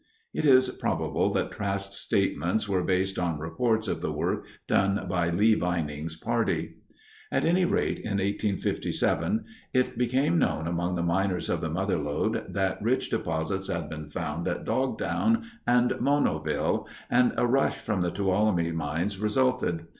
It is probable that Trask's statements were based on reports of the work done by Lee Vining's party. At any rate, in 1857 it became known among the miners of the Mother Lode that rich deposits had been found at "Dogtown" and Monoville, and a rush from the Tuolumne mines resulted.